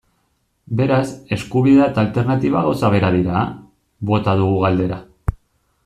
Beraz, eskubidea eta alternatiba gauza bera dira?, bota dugu galdera.